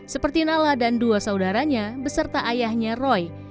seperti nala dan dua saudaranya beserta ayahnya roy